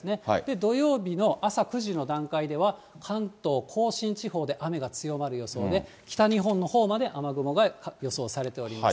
土曜日の朝９時の段階では、関東甲信地方で雨が強まる予想で、北日本のほうまで雨雲が予想されております。